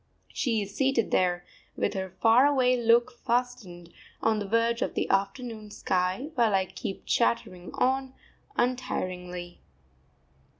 She is seated there, with her far away look fastened on the verge of the afternoon sky, while I keep chattering on untiringly.